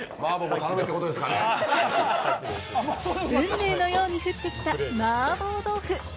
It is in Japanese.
運命のように降ってきた麻婆豆腐。